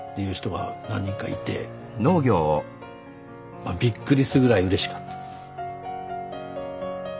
まあびっくりするぐらいうれしかった。